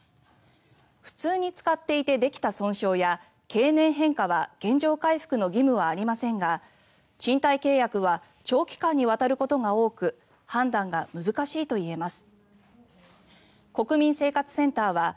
普通に使っていてできた損傷や経年変化は原状回復の義務はありませんが賃貸契約は長期間にわたることが多く判断が難しいといえます。